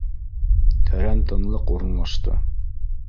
Тәрән тынлыҡ урынлашты